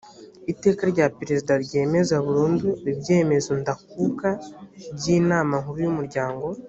iteka rya perezida ryemeza burundu ibyemezo ndakuka by inama nkuru y umuryango